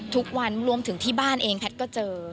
ทุกวันรวมถึงที่บ้านเองแพทย์ก็เจอ